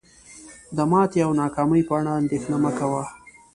د ماتي او ناکامی په اړه اندیښنه مه کوه